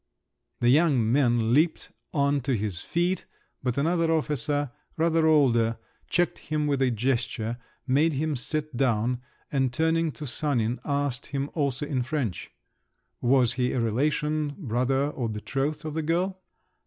The young man leaped on to his feet, but another officer, rather older, checked him with a gesture, made him sit down, and turning to Sanin asked him also in French, "Was he a relation, brother, or betrothed of the girl?"